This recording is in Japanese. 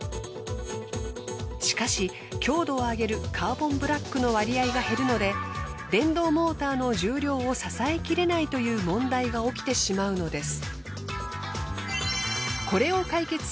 しかし強度を上げるカーボンブラックの割合が減るので電動モーターの重量を支えきれないという問題が起きてしまうのです。